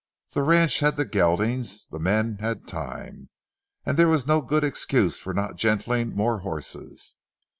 The ranch had the geldings, the men had time, and there was no good excuse for not gentling more horses.